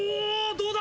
どうだ？